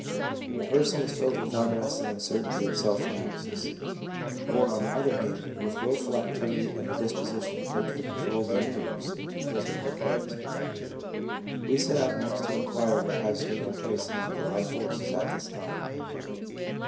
The person is filled with unrest and uncertainty and self analysis ; or, on the other hand, with wilful activity and the disposition to take the control of the universe into his or her hands. We set out next to inquire what has taken place among the life forces at this time.